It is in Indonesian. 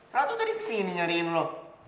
ratu tadi kesini nyariin loh